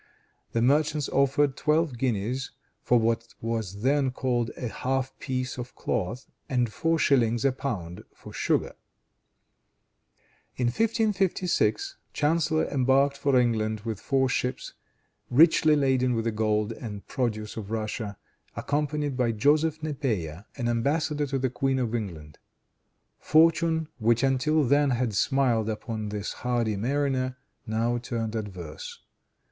The merchants offered twelve guineas for what was then called a half piece of cloth, and four shillings a pound for sugar. In 1556, Chanceller embarked for England with four ships richly laden with the gold and the produce of Russia, accompanied by Joseph Nepeia, an embassador to the Queen of England. Fortune, which, until then, had smiled upon this hardy mariner, now turned adverse.